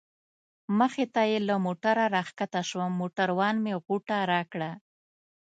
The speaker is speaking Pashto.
مخې ته یې له موټره را کښته شوم، موټروان مې غوټه راکړه.